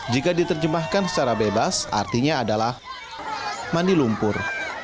jika diterjemahkan secara bebas artinya adalah mandi lumpur